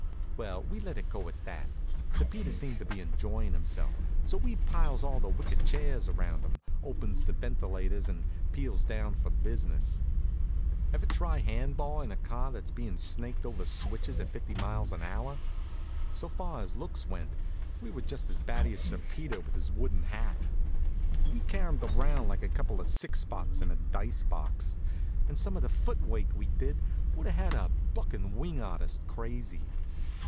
Well, we let it go at that. Sir Peter seemed to be enjoying himself; so we piles all the wicker chairs around him, opens the ventilators, and peels down for business. Ever try hand ball in a car that's being snaked over switches at fifty miles an hour? So far as looks went, we were just as batty as Sir Peter with his wooden hat. We caromed around like a couple of six spots in a dice box, and some of the foot work we did would have had a buck and wing artist crazy.